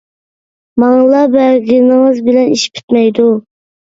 — ماڭىلا بەرگىنىڭىز بىلەن ئىش پۈتمەيدۇ.